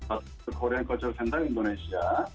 atau korean concer center indonesia